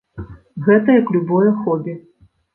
Гэта як любое хобі.